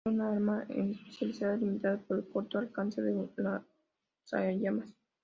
Era un arma especializada, limitada por el corto alcance de su lanzallamas.